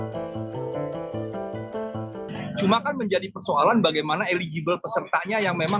pekerja yang terkena phk yang belum mendapatkan jkp ini hanya menjadi persoalan bagaimana eleggible pesertanya yang mencapai jkp